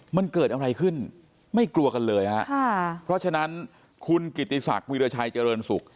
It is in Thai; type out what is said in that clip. มันเกิดอะไรขึ้นไม่กลัวกันเลยฮะค่ะเพราะฉะนั้นคุณกิติศักดิราชัยเจริญสุข